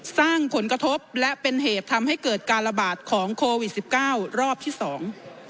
สร้างผลกระทบและเป็นเหตุทำให้เกิดการระบาดของโควิดสิบเก้ารอบที่สอง